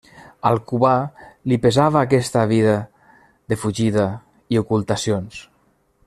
Al Cubà li pesava aquesta vida de fugida i ocultacions.